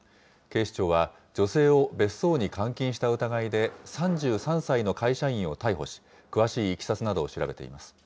警視庁は、女性を別荘に監禁した疑いで、３３歳の会社員を逮捕し、詳しいいきさつなどを調べています。